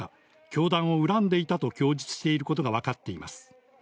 教団を恨んでいたと供述していることがわかっています。